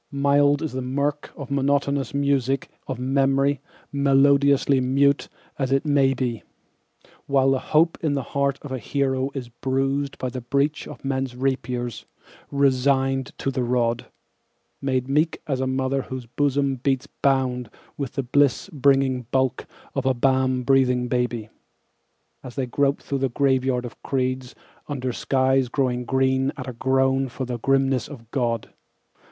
Mild is the mirk and monotonous music of memory, melodiously mute as it may be, While the hope in the heart of a hero is bruised by the breach of men's rapiers, resigned to the rod; Made meek as a mother whose bosom beats bound with the bliss bringing bulk of a balm breathing baby, As they grope through the graveyard of creeds, under skies growing green at a groan for the grimness of God.